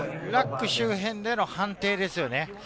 ラック終点での判定ですよね。